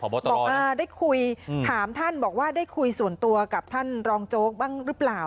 บอกว่าได้คุยถามท่านบอกว่าได้คุยส่วนตัวกับท่านรองโจ๊กบ้างหรือเปล่า